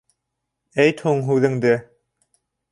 Әйт һуң һүҙеңде.